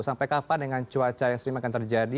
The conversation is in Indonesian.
sampai kapan dengan cuaca ekstrim akan terjadi